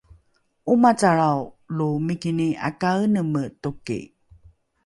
’omacalrao lo mikini ’akaeneme toki